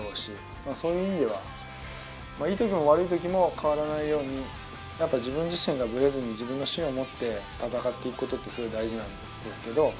そういう意味ではいい時も悪い時も変わらないようにやっぱり自分自身がぶれずに自分の芯を持って戦っていくことってすごい大事なんですけど。